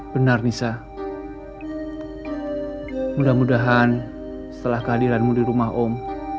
benar nisa mudah mudahan setelah kehadiranmu di rumah om